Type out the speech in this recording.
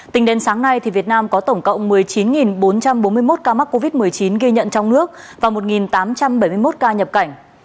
tính đến sáng nay việt nam có tổng cộng một mươi chín bốn trăm bốn mươi một ca mắc covid một mươi chín ghi nhận trong nước và một tám trăm bảy mươi một ca nhập cảnh